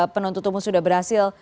penuntut umum sudah berhasil